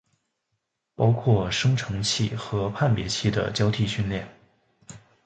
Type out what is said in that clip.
包括生成器和判别器的交替训练